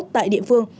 tại địa phương